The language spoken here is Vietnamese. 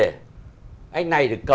mà bắt được